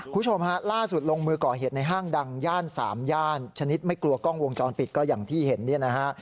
คุณผู้ชมฮะล่าสุดลงมือก่อเหตุในห้างดังย่านสามย่านชนิดไม่กลัวกล้องวงจรปิดก็อย่างที่เห็นเนี่ยนะฮะ